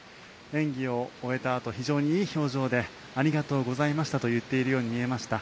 演技を終えたあと非常にいい表情でありがとうございましたと言っているように見えました。